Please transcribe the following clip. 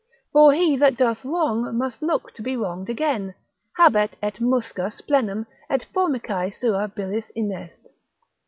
For he that doth wrong must look to be wronged again; habet et musca splenem, et formicae sua bills inest.